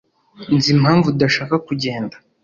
Nzi impamvu udashaka kugenda.